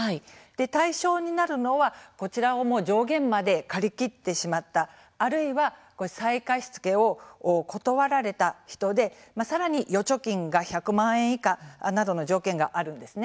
対象になるのはこちらの上限まで借り切ってしまった、あるいは再貸し付けを断られた人でさらに預貯金が１００万円以下などの条件があるんです。